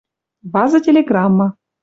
Вазы телеграмма: